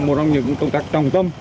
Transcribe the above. là một trong những công tác trọng tâm